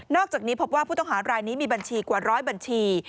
อกจากนี้พบว่าผู้ต้องหารายนี้มีบัญชีกว่าร้อยบัญชี